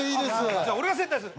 じゃあ俺が接待する。